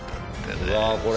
うわー！これ。